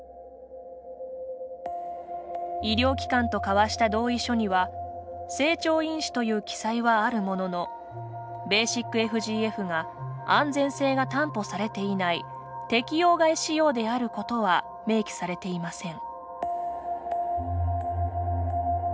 医療機関と交わした同意書には成長因子という記載はあるもののｂＦＧＦが安全性が担保されていない適応外使用であることは明記されていません。